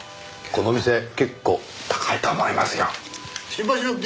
この店結構高いと思いますよ。